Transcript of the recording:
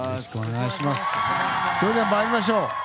それでは参りましょう。